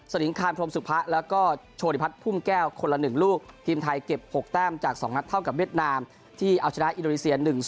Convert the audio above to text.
ลิงคานพรมสุพะแล้วก็โชธิพัฒน์พุ่มแก้วคนละ๑ลูกทีมไทยเก็บ๖แต้มจาก๒นัดเท่ากับเวียดนามที่เอาชนะอินโดนีเซีย๑๐